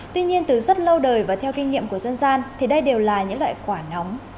tuy nhiên từ rất lâu đời và theo kinh nghiệm của dân gian thì đây đều là những loại quả nóng